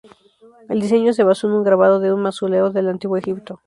El diseño se basó en un grabado de un mausoleo del antiguo Egipto.